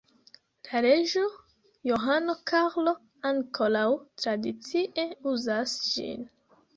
La reĝo Johano Karlo ankoraŭ tradicie uzas ĝin.